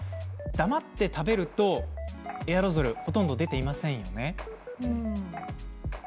黙って食べるとエアロゾルはほとんど出ませんよね。